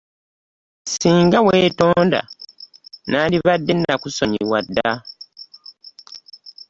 Ssinga weetonda nandibadde nakusonyiwa dda.